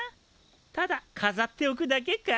ただかざっておくだけか？